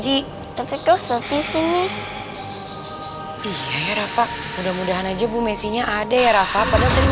ih ibu ranti